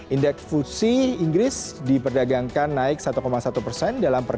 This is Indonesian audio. indeks fusi inggris diperdagangkan naik satu satu persen